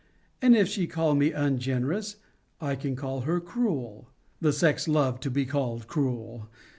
And if she call me ungenerous, I can call her cruel. The sex love to be called cruel.